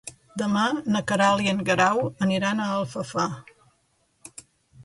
Demà na Queralt i en Guerau aniran a Alfafar.